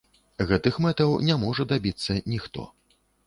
Гэтых мэтаў не можа дабіцца ніхто.